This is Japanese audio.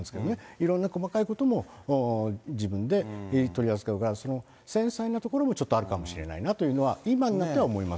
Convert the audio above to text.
いろんな細かいことも自分で取り扱う、繊細なところもちょっとあるかもしれないなというのは、今になっては思います。